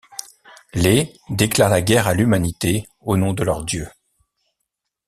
Les déclarent la guerre à l'humanité au nom de leurs dieux.